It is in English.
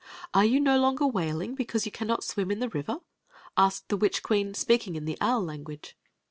"Are you no longer wailing because you cannot swim in the river?" asked the witch quc^n, speaking in the owl language.